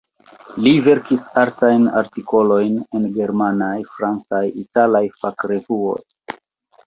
Li verkis artajn artikolojn en germanaj, francaj, italaj fakrevuoj.